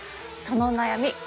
そのお悩み